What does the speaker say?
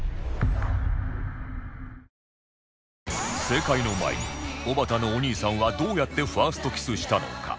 正解の前におばたのお兄さんはどうやってファーストキスしたのか？